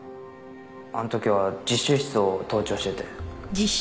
あの時は実習室を盗聴してて。